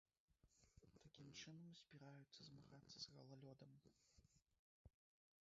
Такім чынам збіраюцца змагацца з галалёдам.